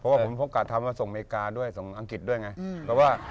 เพราะว่าผมกลับทำมาส่งอเมริกาด้วยส่งอังกฤษด้วยไง